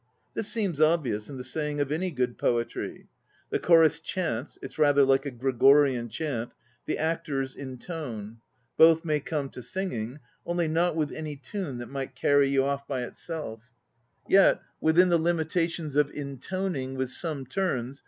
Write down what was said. This seems obvious in the saying of any good poetry. The chorus chants (it's rather like a Gregorian chant), the actors intone. Both may come to singing, only not with any tune that might carry you off by itself, ^et. \\ithin the limitations of intoning, with some turns.